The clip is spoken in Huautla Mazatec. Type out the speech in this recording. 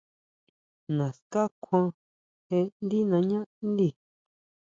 ¿Naská kjuan jé ndí nañáʼndí?